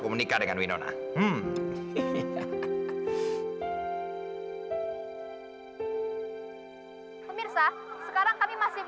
yang menariknya ternyata yang mengakustisi semua perusahaan secara diam diam adalah